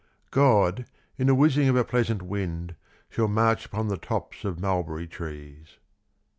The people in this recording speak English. AN IMITATION. '' God, in the whizzing of a pleasant wind, Sliall march upon the tops of mulberry trees."